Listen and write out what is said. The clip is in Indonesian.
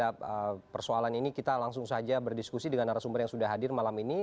pemandu bakat pb jarum